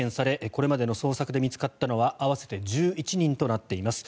これまでの捜索で見つかったのは合わせて１１人となっています。